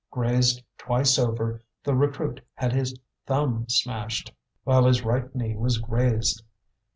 Grazed twice over, the recruit had his thumb smashed, while his right knee was grazed.